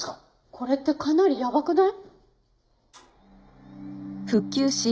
これってかなりやばくない？